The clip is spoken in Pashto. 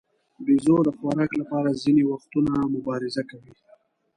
بیزو د خوراک لپاره ځینې وختونه مبارزه کوي.